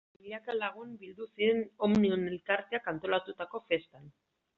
Milaka lagun bildu ziren Omnium elkarteak antolatutako festan.